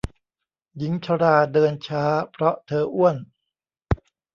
หญิงชราเดินช้าเพราะเธออ้วน